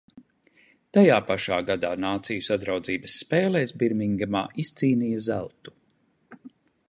Tajā pašā gadā Nāciju Sadraudzības spēlēs Birmingemā izcīnīja zeltu.